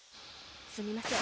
すみません。